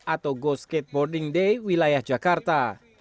atau go skateboarding day wilayah jakarta